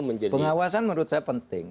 pengawasan menurut saya penting